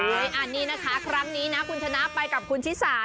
อันนี้โครงนี้นะคุณธนาไปกับคุณชิสา